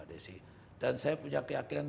dan saya punya keyakinan